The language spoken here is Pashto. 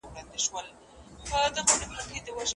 كه دامونه د شيطان وي او كه نه وي